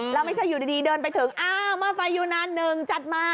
แล้วไม่ใช่อยู่ดีเดินไปถึงอ้าวเมื่อไฟยูนาน๑จัดมา